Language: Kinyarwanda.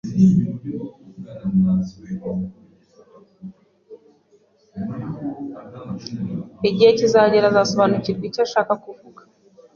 Igihe kizagera uzasobanukirwa icyo nshaka kuvuga.